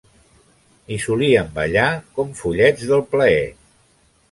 I solien ballar com follets del plaer.